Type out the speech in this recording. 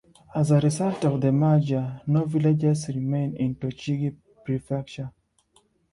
As a result of the merger, no villages remain in Tochigi Prefecture.